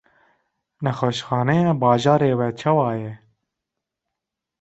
Nexweşxaneya bajarê we çawa ye?